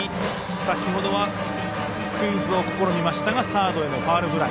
先ほどはスクイズを試みましたがサードへのファウルフライ。